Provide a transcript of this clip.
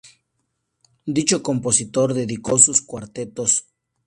Dicho compositor dedicó sus cuartetos No.